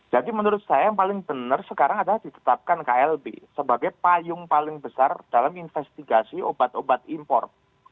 jadi menurut saya yang paling benar sekarang adalah ditetapkan klb sebagai payung paling besar dalam investigasi obat obat impor